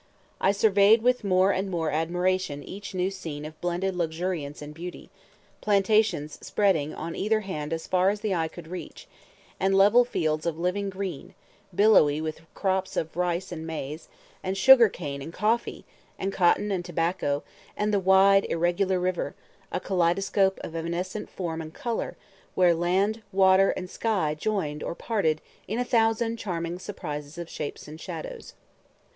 I surveyed with more and more admiration each new scene of blended luxuriance and beauty, plantations spreading on either hand as far as the eye could reach, and level fields of living green, billowy with crops of rice and maize, and sugar cane and coffee, and cotton and tobacco; and the wide irregular river, a kaleidoscope of evanescent form and color, where land, water, and sky joined or parted in a thousand charming surprises of shapes and shadows.